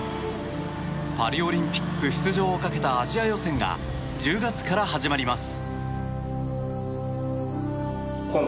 パリオリンピック出場をかけたアジア予選が１０月から始まります。